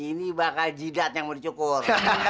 ini bakal jidat yang mau dicukur